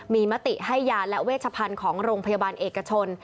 มีมติให้ยาและเวชพันธุ์ของโรงพยาบาลเอกชน